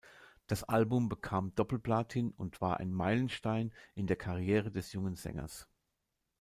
Das Album bekam Doppel-Platin und war ein Meilenstein in der Karriere des jungen Sängers.